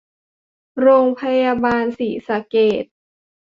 โรงพยาบาลศรีสะเกษ